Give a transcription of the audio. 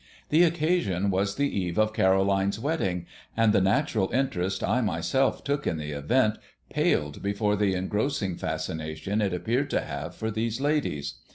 The occasion was the eve of Caroline's wedding, and the natural interest I myself took in the event paled before the engrossing fascination it appeared to have for these ladies.